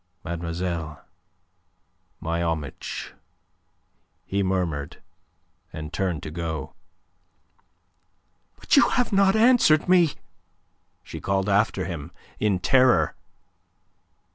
"Mademoiselle, my homage," he murmured, and turned to go. "But you have not answered me!" she called after him in terror.